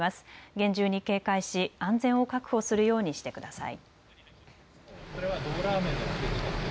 厳重に警戒し安全を確保するようにしてください。